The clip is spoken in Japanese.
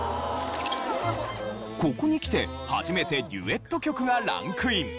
ここにきて初めてデュエット曲がランクイン。